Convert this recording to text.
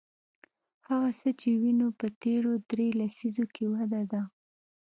هغه څه چې وینو په تېرو درې لسیزو کې وده ده.